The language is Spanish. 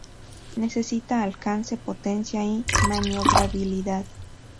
Necesitaba alcance, potencia y maniobrabilidad.